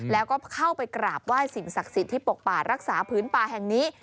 แล้วก็เข้าไปกราบไหว้สิ่งศักดิ์สิทธิ์ที่ปกป่ารักษาพื้นป่าแห่งนี้